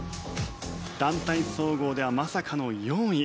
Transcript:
団体総合ではまさかの４位。